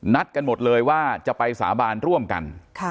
กันหมดเลยว่าจะไปสาบานร่วมกัน